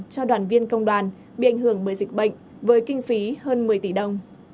cho đoàn viên công đoàn bị ảnh hưởng bởi dịch bệnh với kinh phí hơn một mươi tỷ đồng